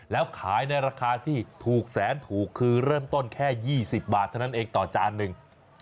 แล้วขายในราคาที่ถูกแสนถูกคือเริ่มต้นแค่๒๐บาทเท่านั้นเองต่อจานหนึ่ง